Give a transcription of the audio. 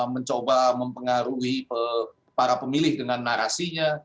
mencoba mempengaruhi para pemilih dengan narasinya